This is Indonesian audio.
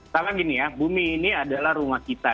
karena gini ya bumi ini adalah rumah kita